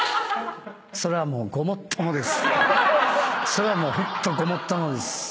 それはもうホントごもっともです。